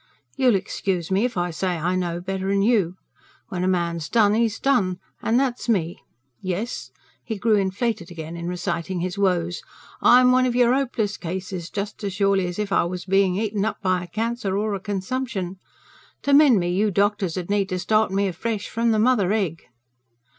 "You'll excuse me if I say I know better'n you. When a man's done, he's done. And that's me. Yes," he grew inflated again in reciting his woes "I'm one o' your hopeless cases, just as surely as if I was being eaten up by a cancer or a consumption. To mend me, you doctors 'ud need to start me afresh from the mother egg."